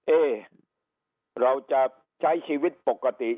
เอ๊เราจะใช้ชีวิตปกติ